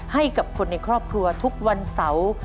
ให้กับคนในครอบครัวทุกวันเสาร์